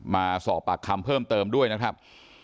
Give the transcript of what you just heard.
มาสอบปากคำเพิ่มเติมด้วยนะครับ